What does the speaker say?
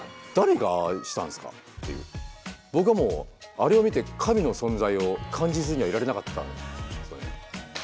僕はもうあれを見て神の存在を感じずにはいられなかったんですよね。